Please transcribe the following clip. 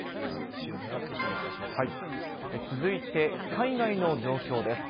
続いて、海外の状況です。